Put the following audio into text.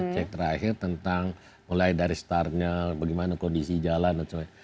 cek terakhir tentang mulai dari startnya bagaimana kondisi jalan dan sebagainya